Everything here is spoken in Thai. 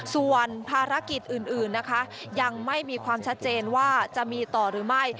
ส่วนภารกิจอื่นนะคะยังไม่มีความชัดเจนว่าจะมีต่อหรือไม่